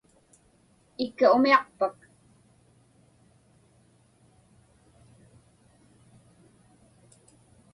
Ikka umiaqpak.